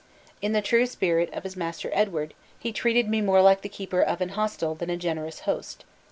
In the true spirit of his master Edward he treated me more like the keeper of an hostel than a generous host.